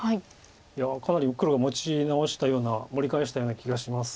いやかなり黒が持ち直したような盛り返したような気がします。